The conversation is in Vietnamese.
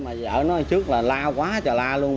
mà ở nó trước là la quá trời la luôn